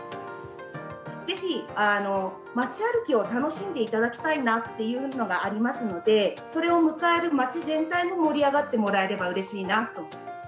ぜひ町歩きを楽しんでいただきたいなというのがありますので、それを迎える町全体も盛り上がってもらえればうれしいなと。